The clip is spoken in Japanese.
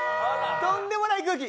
とんでもない空気！